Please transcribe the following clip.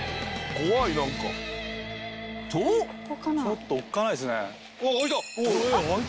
ちょっとおっかないっすね。